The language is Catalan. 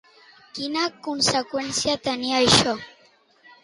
Quina conseqüència tenia això?